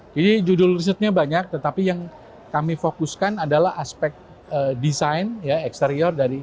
jadi judul resetnya banyak tetapi yang kami fokuskan adalah aspek desain eksterior